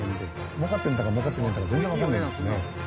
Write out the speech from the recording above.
儲かってるか儲かってないんだか全然わかんないですね。